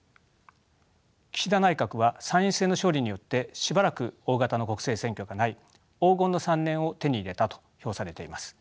岸田内閣は参院選の勝利によってしばらく大型の国政選挙がない「黄金の３年」を手に入れたと評されています。